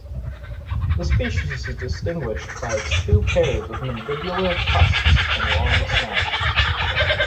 The species is distinguished by its two pairs of mandibular tusks and long snout.